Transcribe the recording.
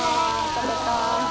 食べたい。